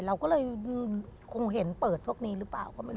เราก็เลยคงเห็นเปิดพวกนี้หรือเปล่า